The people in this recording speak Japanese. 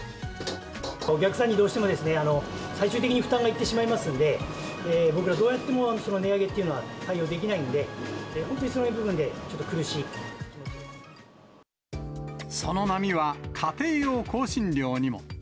お客さんに、どうしても最終的に負担がいってしまいますんで、僕ら、どうやってもその値上げっていうのは対応できないんで、その波は、家庭用香辛料にも。